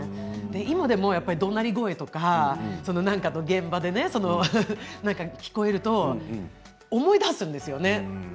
今でも、どなり声とか何かの現場で聞こえると思い出すんですよね。